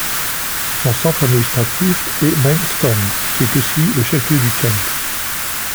Son centre administratif est Maidstone qui est aussi le chef-lieu du Kent.